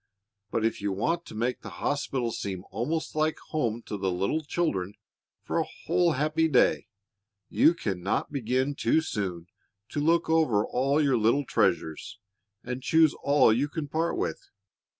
But if you want to make the hospitals seem almost like home to the little children for a whole happy day, you can not begin too soon to look over all your little treasures, and choose all you can part with.